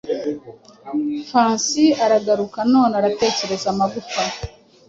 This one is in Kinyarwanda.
Fanci aragaruka, none aratekereza amagufwa